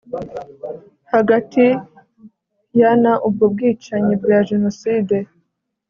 hagati ya na Ubwo bwicanyi bwa Jenoside